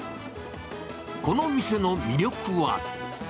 この店の魅力は。